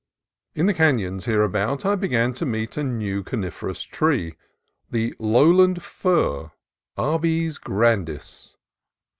In the canons hereabout I began to meet a new coniferous tree, the lowland fir (Abies grandis).